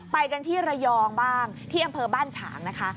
ไปกันที่ระยองบ้างที่อำเภอบ้านฉางนะคะ